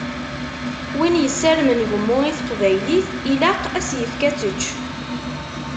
Win yessarmen gemmu i teqbaylit ilaq ad as-yefk ad tečč.